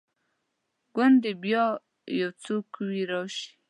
ګوندي بیا یو څوک وي راشي